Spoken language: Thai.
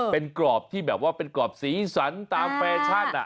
เป็นกรอบที่แบบว่าเป็นกรอบสีสันตามแฟชั่น